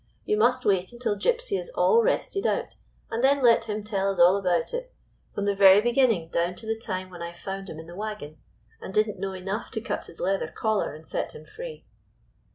You must wait until Gypsy is all rested out, and then let him tell us all about it, from the very beginning down to the time when I found him in the wagon, and did n't know enough to cut his leather collar and set him free."